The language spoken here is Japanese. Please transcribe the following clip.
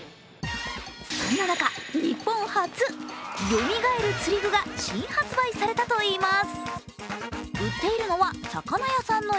そんな中、日本初、よみがえる釣り具が新発売されたといいます。